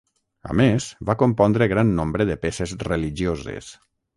A més, va compondre gran nombre de peces religioses.